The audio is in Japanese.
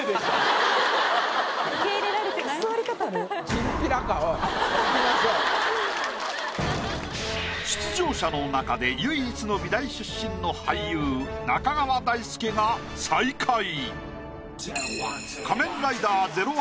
・受け入れられてない・出場者の中で唯一の美大出身の俳優中川大輔が最下位。